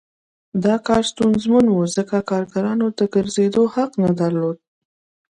دا کار ستونزمن و ځکه کارګرانو د ګرځېدو حق نه درلود